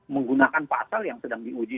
menggunakan pasal yang sedang diuji